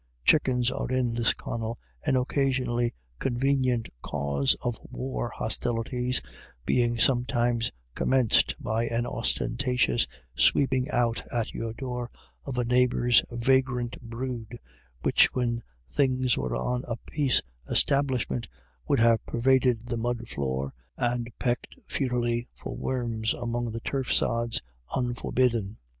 Chuckens are in Lisconnel an occasionally convenient cause of war, hostilities being sometimes commenced by an ostentatious sweeping out at your door of a neighbour's vagrant brood, which, when things were on a peace establishment, would have pervaded the mud floor and pecked futilely for worms among the turf sods unforbidden.